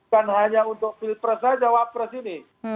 bukan hanya untuk pilpres saja wakil presiden